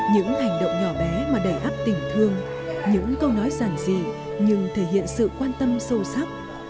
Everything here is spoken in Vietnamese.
những hành động nhỏ bé mà đầy áp tình thương những câu nói giản dị nhưng thể hiện sự quan tâm sâu sắc